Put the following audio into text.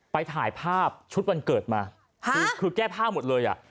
ไปถ่ายภาพชุดวันเกิดมาคือแก้ผ้าหมดเลยอ่ะ